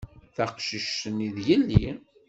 Taqcict-nni, d yelli.